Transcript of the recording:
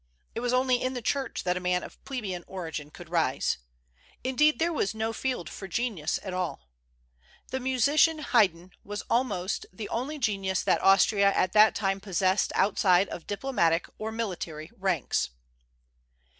It was only in the Church that a man of plebeian origin could rise. Indeed, there was no field for genius at all. The musician Haydn was almost the only genius that Austria at that time possessed outside of diplomatic or military ranks.